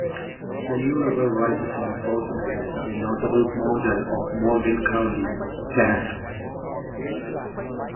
The New River rises on Frozen Head, a notable mountain of Morgan County, Tennessee.